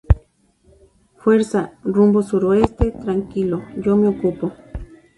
fuerza rumbo suroeste. tranquilo, yo me ocupo